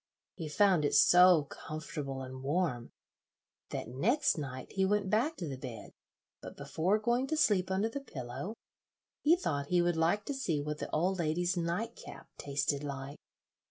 He found it so comfortable and warm that next night he went back to the bed, but before going to sleep under the pillow he thought he would like to see what the old lady's night cap tasted like.